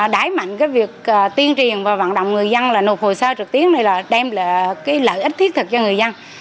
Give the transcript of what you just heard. đẩy mạnh cái việc tuyên truyền và vận động người dân là nộp hồ sơ trực tuyến này là đem lại cái lợi ích thiết thực cho người dân